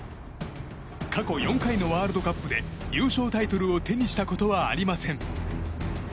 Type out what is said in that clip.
過去４回のワールドカップで優勝タイトルを手にしたことはありません。